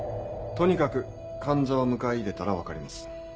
とにかく患者を迎え入れたら分かります。